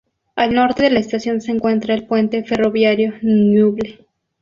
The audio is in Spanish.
Al norte de la estación se encuentra el Puente Ferroviario Ñuble.